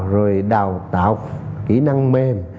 rồi đào tạo kỹ năng mềm